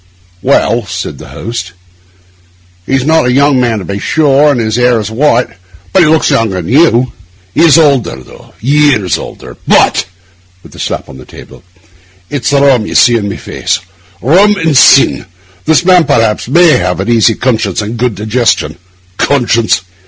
'Well,' said the host, 'he's not a young man, to be sure, and his hair is white; but he looks younger than you.' 'He is older, though; years older. But,' with a slap upon the table, 'it's the rum you see in my face—rum and sin. This man, perhaps, may have an easy conscience and a good digestion. Conscience!